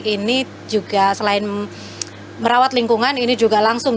ini juga selain merawat lingkungan ini juga langsung